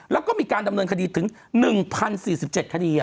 แล้วก็มีการดำเนินคดีถึง๑๐๔๗คดี